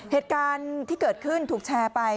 เหตุการณ์ที่เกิดขึ้นถูกแชร์ไป